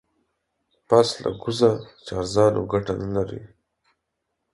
پسله گوزه چارزانو گټه نه لري.